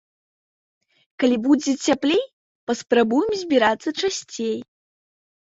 Калі будзе цяплей, паспрабуем збірацца часцей.